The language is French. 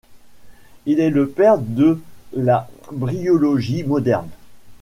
Il est le père de la bryologie moderne.